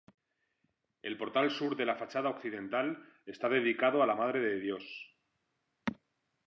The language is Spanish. El portal sur de la fachada occidental está dedicado a la Madre de Dios.